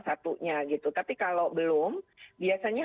satunya gitu tapi kalau belum biasanya